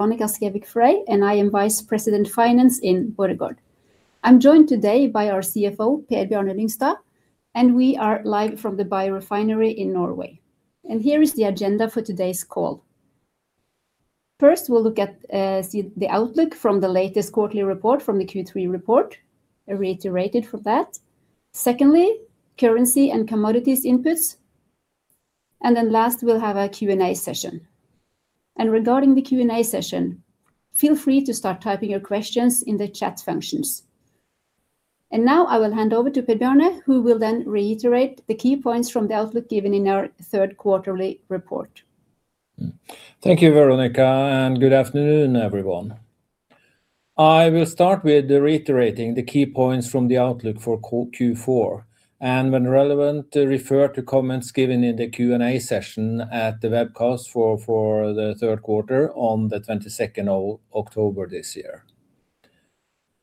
Borregaard, John Holmes, Sean Gillen, Per A. Sørlie, and I am Vice President Finance in Borregaard. I'm joined today by our CFO, Per Bjarne Lyngstad, and we are live from the biorefinery in Norway. Here is the agenda for today's call. First, we'll look at the outlook from the latest quarterly report from the Q3 report, a reiterated for that. Secondly, currency and commodities inputs. Then last, we'll have a Q&A session. Regarding the Q&A session, feel free to start typing your questions in the chat functions. Now I will hand over to Per Bjarne, who will then reiterate the key points from the outlook given in our third quarterly report. Thank you, Veronica, and good afternoon, everyone. I will start with reiterating the key points from the outlook for Q4, and when relevant, refer to comments given in the Q&A session at the webcast for the third quarter on the 22nd of October this year.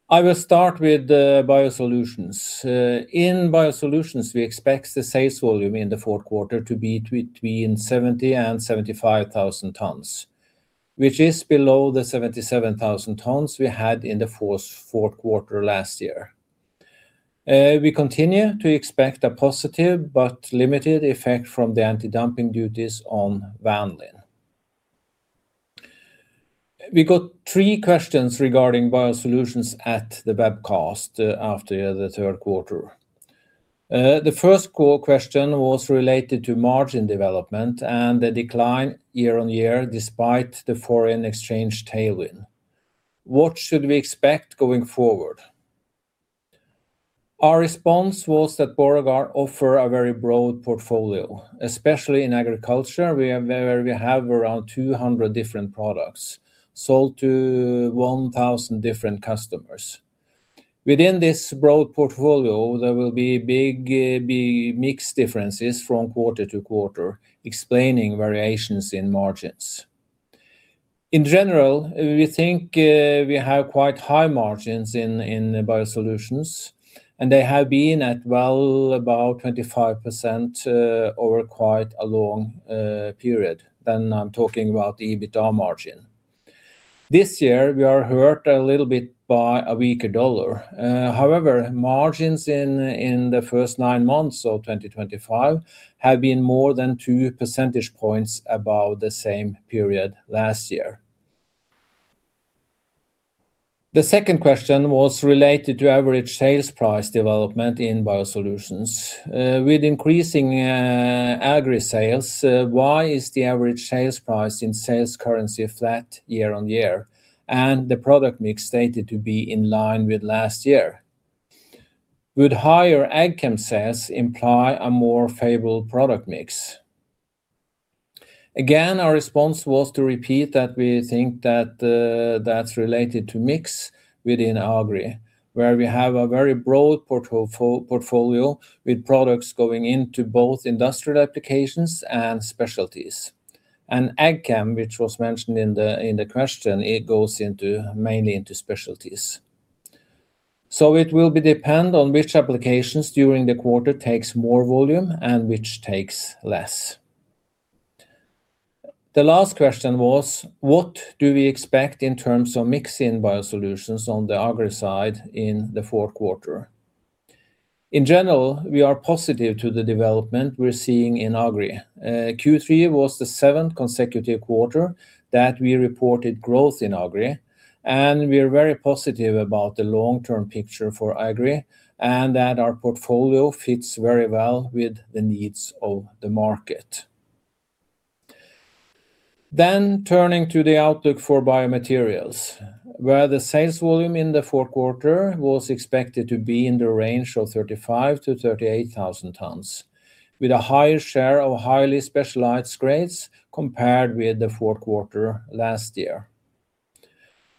I will start with BioSolutions. In BioSolutions, we expect the sales volume in the fourth quarter to be between 70,000 and 75,000 tons, which is below the 77,000 tons we had in the fourth quarter last year. We continue to expect a positive but limited effect from the anti-dumping duties on vanillin. We got three questions regarding BioSolutions at the webcast after the third quarter. The first question was related to margin development and the decline year-on-year despite the foreign exchange tailwind. What should we expect going forward? Our response was that Borregaard offers a very broad portfolio, especially in agriculture, where we have around 200 different products sold to 1,000 different customers. Within this broad portfolio, there will be big mixed differences from quarter-to-quarter, explaining variations in margins. In general, we think we have quite high margins in BioSolutions, and they have been well above 25% over quite a long period. Then I'm talking about EBITDA margin. This year, we are hurt a little bit by a weaker dollar. However, margins in the first nine months of 2025 have been more than two percentage points above the same period last year. The second question was related to average sales price development in BioSolutions. With increasing agri sales, why is the average sales price in sales currency flat year-on-year? And the product mix stated to be in line with last year? Would higher Ag Chem sales imply a more favorable product mix? Again, our response was to repeat that we think that that's related to mix within agri, where we have a very broad portfolio with products going into both industrial applications and specialties. And AgChem, which was mentioned in the question, it goes mainly into specialties. So it will depend on which applications during the quarter take more volume and which take less. The last question was, what do we expect in terms of mix in BioSolutions on the agri side in the fourth quarter? In general, we are positive to the development we're seeing in agri. Q3 was the seventh consecutive quarter that we reported growth in agri, and we are very positive about the long-term picture for agri and that our portfolio fits very well with the needs of the market. Then turning to the outlook for BioMaterials, where the sales volume in the fourth quarter was expected to be in the range of 35,000-38,000 tons, with a higher share of highly specialized grades compared with the fourth quarter last year.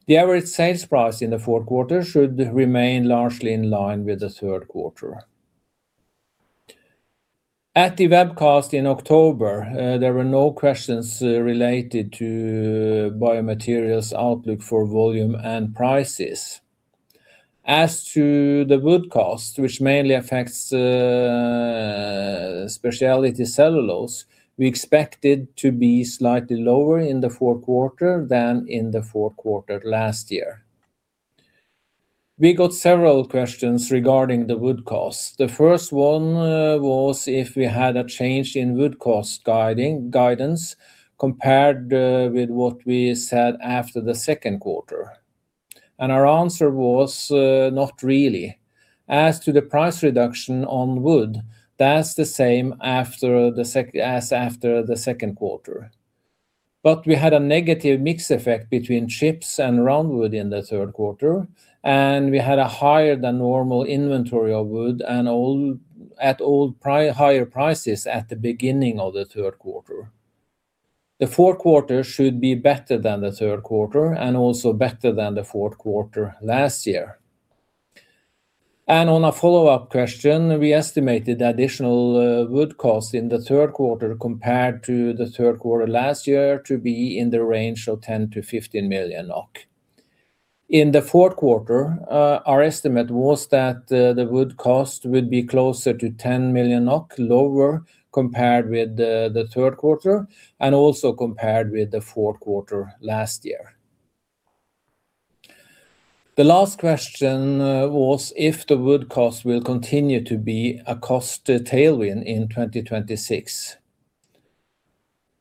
The average sales price in the fourth quarter should remain largely in line with the third quarter. At the webcast in October, there were no questions related to BioMaterials outlook for volume and prices. As to the wood cost, which mainly affects Specialty Cellulose, we expected to be slightly lower in the fourth quarter than in the fourth quarter last year. We got several questions regarding the wood cost. The first one was if we had a change in wood cost guidance compared with what we said after the second quarter. And our answer was not really. As to the price reduction on wood, that's the same as after the second quarter. But we had a negative mix effect between chips and roundwood in the third quarter, and we had a higher than normal inventory of wood and at all higher prices at the beginning of the third quarter. The fourth quarter should be better than the third quarter and also better than the fourth quarter last year. And on a follow-up question, we estimated additional wood cost in the third quarter compared to the third quarter last year to be in the range of 10-15 million NOK. In the fourth quarter, our estimate was that the wood cost would be closer to 10 million NOK, lower compared with the third quarter and also compared with the fourth quarter last year. The last question was if the wood cost will continue to be a cost tailwind in 2026.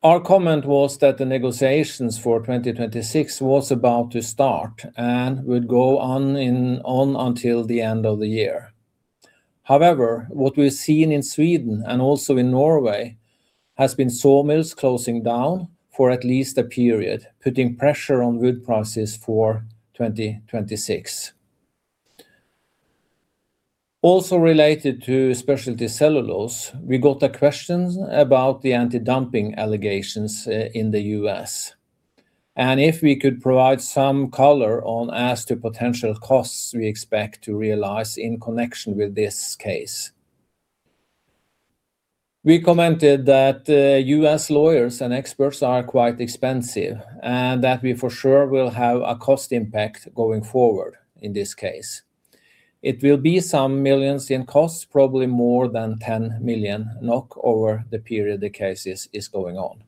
Our comment was that the negotiations for 2026 were about to start and would go on until the end of the year. However, what we've seen in Sweden and also in Norway has been sawmills closing down for at least a period, putting pressure on wood prices for 2026. Also related to Specialty Cellulose, we got a question about the anti-dumping allegations in the U.S. and if we could provide some color on as to potential costs we expect to realize in connection with this case. We commented that U.S. lawyers and experts are quite expensive and that we for sure will have a cost impact going forward in this case. It will be some millions in costs, probably more than 10 million NOK over the period the case is going on.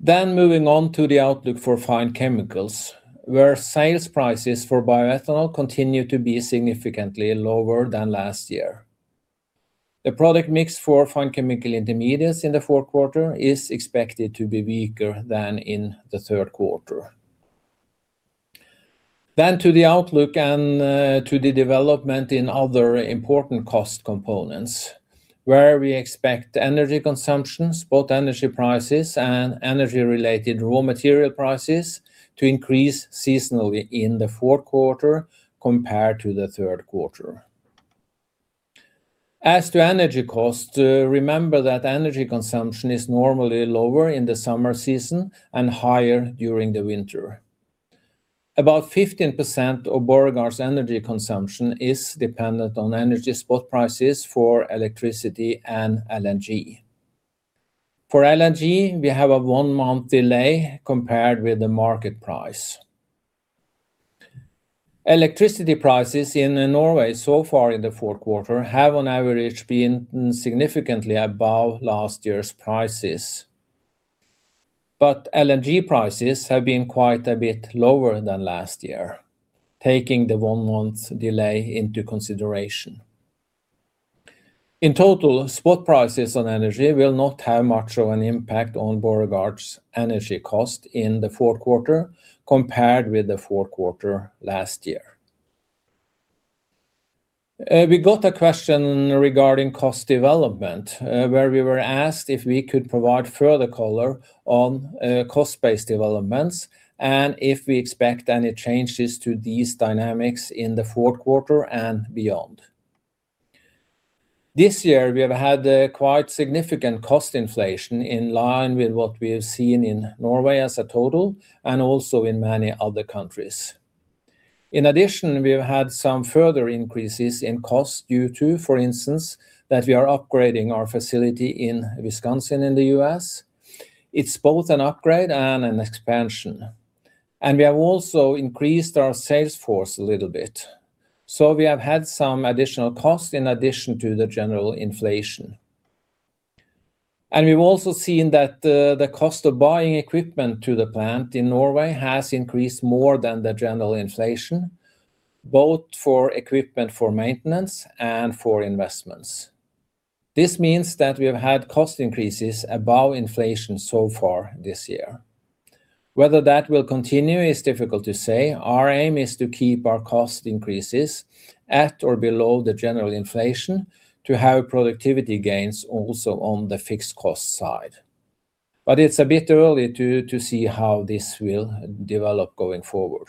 Then moving on to the outlook for Fine Chemicals, where sales prices for bioethanol continue to be significantly lower than last year. The product mix for Fine Chemical intermediates in the fourth quarter is expected to be weaker than in the third quarter. Then to the outlook and to the development in other important cost components, where we expect energy consumptions, both energy prices and energy-related raw material prices, to increase seasonally in the fourth quarter compared to the third quarter. As to energy cost, remember that energy consumption is normally lower in the summer season and higher during the winter. About 15% of Borregaard's energy consumption is dependent on energy spot prices for electricity and LNG. For LNG, we have a one-month delay compared with the market price. Electricity prices in Norway so far in the fourth quarter have on average been significantly above last year's prices. But LNG prices have been quite a bit lower than last year, taking the one-month delay into consideration. In total, spot prices on energy will not have much of an impact on Borregaard's energy cost in the fourth quarter compared with the fourth quarter last year. We got a question regarding cost development, where we were asked if we could provide further color on cost-based developments and if we expect any changes to these dynamics in the fourth quarter and beyond. This year, we have had quite significant cost inflation in line with what we have seen in Norway as a total and also in many other countries. In addition, we have had some further increases in costs due to, for instance, that we are upgrading our facility in Wisconsin in the U.S. It's both an upgrade and an expansion. We have also increased our sales force a little bit. We have had some additional costs in addition to the general inflation. We've also seen that the cost of buying equipment to the plant in Norway has increased more than the general inflation, both for equipment for maintenance and for investments. This means that we have had cost increases above inflation so far this year. Whether that will continue is difficult to say. Our aim is to keep our cost increases at or below the general inflation to have productivity gains also on the fixed cost side. It's a bit early to see how this will develop going forward.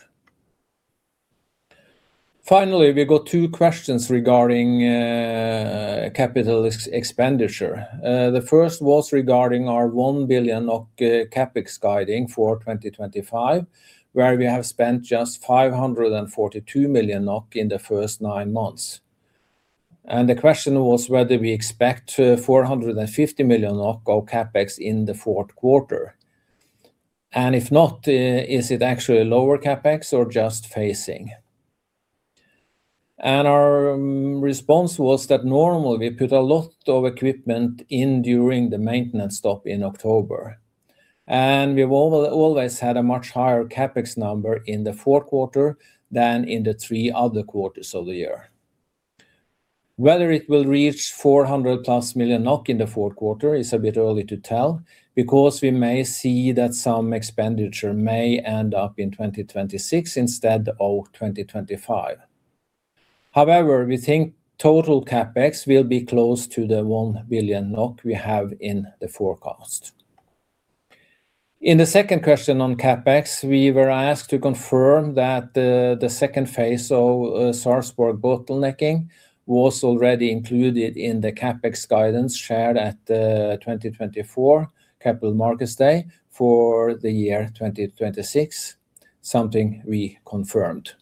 Finally, we got two questions regarding capital expenditure. The first was regarding our 1 billion NOK CapEx guidance for 2025, where we have spent just 542 million NOK in the first nine months. The question was whether we expect 450 million NOK of CapEx in the fourth quarter. And if not, is it actually lower CapEx or just phasing? And our response was that normally we put a lot of equipment in during the maintenance stop in October. And we've always had a much higher CapEx number in the fourth quarter than in the three other quarters of the year. Whether it will reach 400+ million NOK in the fourth quarter is a bit early to tell because we may see that some expenditure may end up in 2026 instead of 2025. However, we think total CapEx will be close to the 1 billion NOK we have in the forecast. In the second question on CapEx, we were asked to confirm that the second phase of Sarpsborg debottlenecking was already included in the CapEx guidance shared at the 2024 Capital Markets Day for the year 2026, something we confirmed.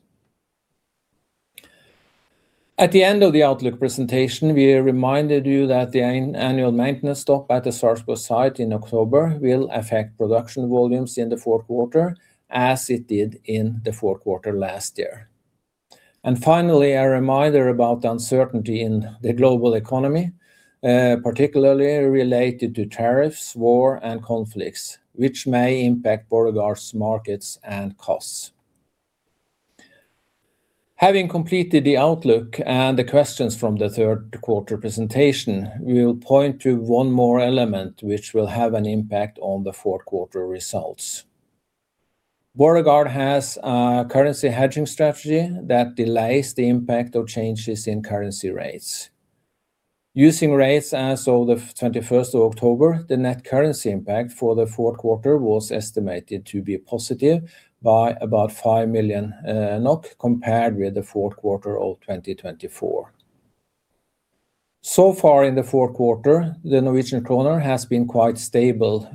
At the end of the outlook presentation, we reminded you that the annual maintenance stop at the Sarpsborg site in October will affect production volumes in the fourth quarter as it did in the fourth quarter last year. Finally, a reminder about the uncertainty in the global economy, particularly related to tariffs, war, and conflicts, which may impact Borregaard's markets and costs. Having completed the outlook and the questions from the third quarter presentation, we will point to one more element which will have an impact on the fourth quarter results. Borregaard has a currency hedging strategy that delays the impact of changes in currency rates. Using rates as of the 21st of October, the net currency impact for the fourth quarter was estimated to be positive by about 5 million NOK compared with the fourth quarter of 2024. So far in the fourth quarter, the Norwegian kroner has been quite stable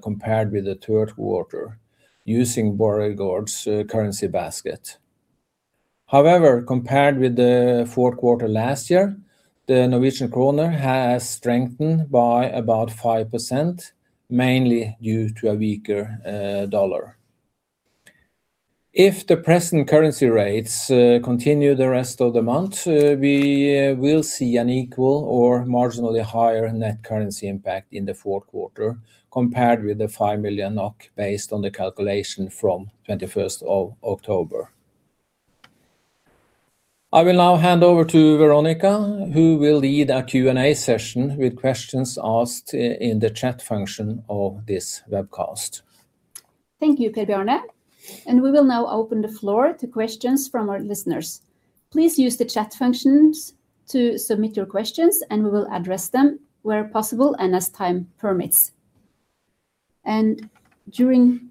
compared with the third quarter using Borregaard's currency basket. However, compared with the fourth quarter last year, the Norwegian kroner has strengthened by about 5%, mainly due to a weaker dollar. If the present currency rates continue the rest of the month, we will see an equal or marginally higher net currency impact in the fourth quarter compared with the 5 million NOK based on the calculation from 21st of October. I will now hand over to Veronica, who will lead a Q&A session with questions asked in the chat function of this webcast. Thank you, Per Bjarne. We will now open the floor to questions from our listeners. Please use the chat functions to submit your questions, and we will address them where possible and as time permits. During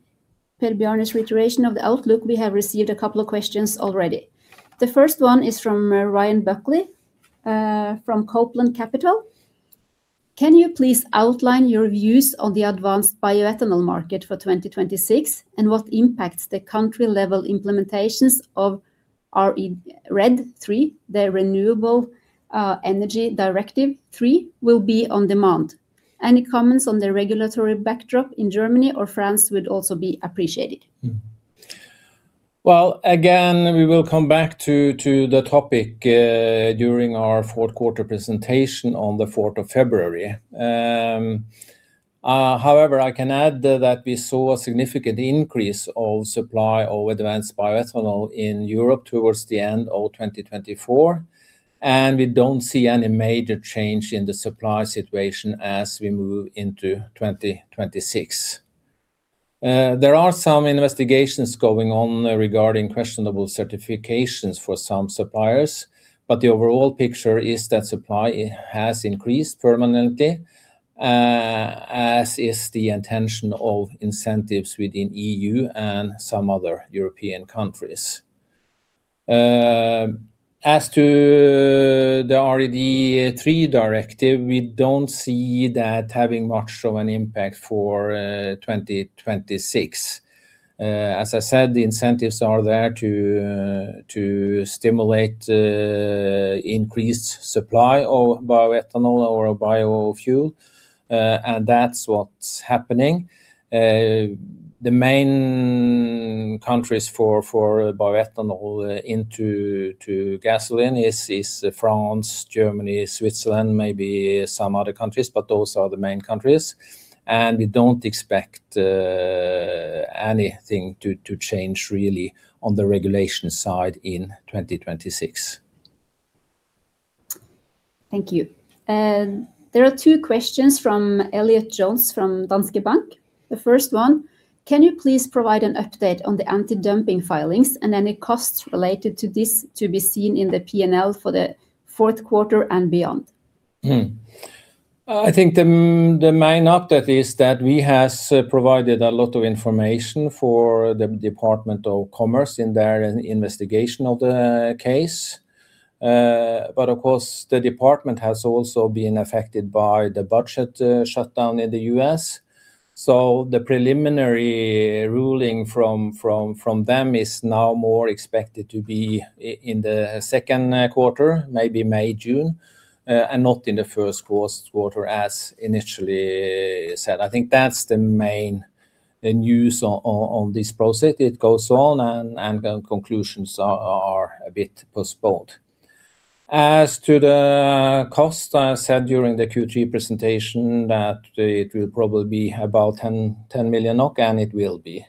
Per Bjarne's reiteration of the outlook, we have received a couple of questions already. The first one is from Ryan Buckley from Copeland Capital. Can you please outline your views on the advanced bioethanol market for 2026 and what impacts the country-level implementations of RED III, the Renewable Energy Directive III, will be on demand? Any comments on the regulatory backdrop in Germany or France would also be appreciated. Again, we will come back to the topic during our fourth quarter presentation on the 4th of February. However, I can add that we saw a significant increase of supply of advanced bioethanol in Europe towards the end of 2024, and we don't see any major change in the supply situation as we move into 2026. There are some investigations going on regarding questionable certifications for some suppliers, but the overall picture is that supply has increased permanently, as is the intention of incentives within the EU and some other European countries. As to the RED III directive, we don't see that having much of an impact for 2026. As I said, the incentives are there to stimulate increased supply of bioethanol or biofuel, and that's what's happening. The main countries for bioethanol into gasoline are France, Germany, Switzerland, maybe some other countries, but those are the main countries. We don't expect anything to change really on the regulation side in 2026. Thank you. There are two questions from Elliott Jones from Danske Bank. The first one, can you please provide an update on the anti-dumping filings and any costs related to this to be seen in the P&L for the fourth quarter and beyond? I think the main update is that we have provided a lot of information for the Department of Commerce in their investigation of the case. But of course, the department has also been affected by the budget shutdown in the U.S. So the preliminary ruling from them is now more expected to be in the second quarter, maybe May, June, and not in the first quarter as initially said. I think that's the main news on this project. It goes on and conclusions are a bit postponed. As to the cost, I said during the Q3 presentation that it will probably be about 10 million NOK, and it will be.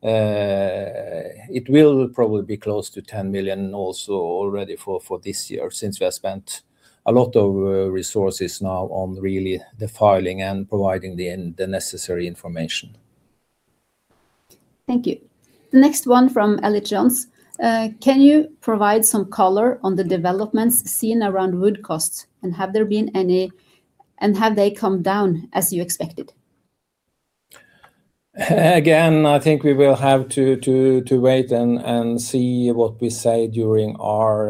It will probably be close to 10 million also already for this year since we have spent a lot of resources now on really the filing and providing the necessary information. Thank you. The next one from Elliott Jones. Can you provide some color on the developments seen around wood costs, and have there been any, and have they come down as you expected? Again, I think we will have to wait and see what we say during our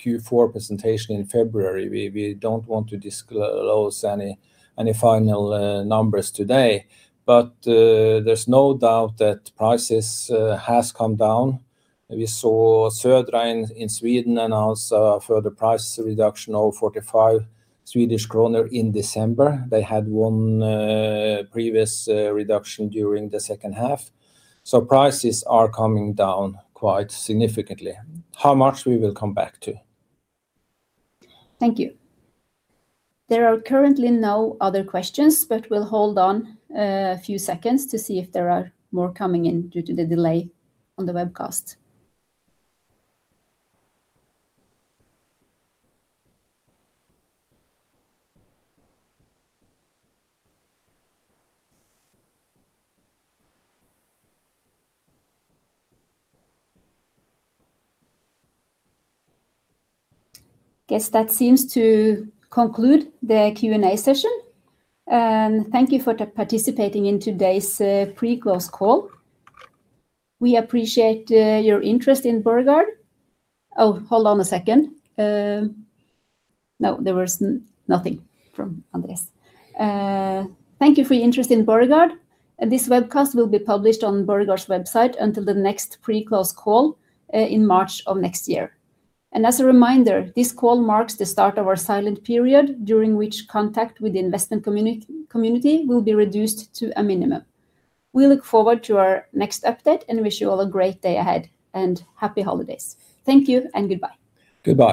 Q4 presentation in February. We don't want to disclose any final numbers today, but there's no doubt that prices have come down. We saw a third round in Sweden and also a further price reduction of 45 Swedish kronor in December. They had one previous reduction during the second half. So prices are coming down quite significantly. How much we will come back to. Thank you. There are currently no other questions, but we'll hold on a few seconds to see if there are more coming in due to the delay on the webcast. I guess that seems to conclude the Q&A session. And thank you for participating in today's pre-close call. We appreciate your interest in Borregaard. Oh, hold on a second. No, there was nothing from Andreas. Thank you for your interest in Borregaard. This webcast will be published on Borregaard's website until the next pre-close call in March of next year. And as a reminder, this call marks the start of our silent period during which contact with the investment community will be reduced to a minimum. We look forward to our next update and wish you all a great day ahead and happy holidays. Thank you and goodbye. Goodbye.